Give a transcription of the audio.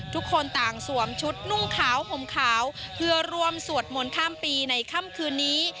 ทุกคนต่างสวมชุดนุ่งขาวห่มขาวเพื่อร่วมสวดมนต์ข้ามปีในค่ำคืนนี้